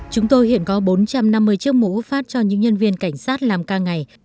chúng tôi hiện có bốn trăm năm mươi chiếc mũ phát cho những nhân viên cảnh sát làm ca ngày